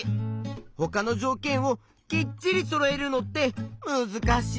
ほかのじょうけんをきっちりそろえるのってむずかしいね。